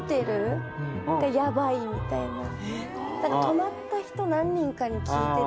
泊まった人何人かに聞いてて。